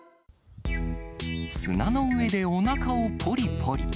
砂の上でおなかをぽりぽり。